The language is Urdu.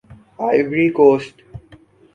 Ivory Coast